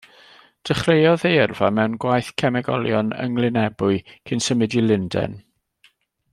Dechreuodd ei yrfa mewn gwaith cemegolion yng Nglyn Ebwy, cyn symud i Lundain.